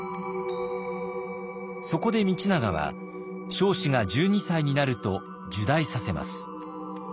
そこで道長は彰子が１２歳になると入内させます。